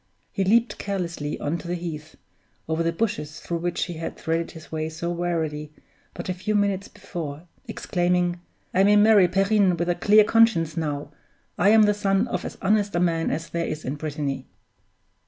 He leaped carelessly on to the heath, over the bushes through which he had threaded his way so warily but a few minutes before, exclaiming, "I may marry Perrine with a clear conscience now; I am the son of as honest a man as there is in Brittany!"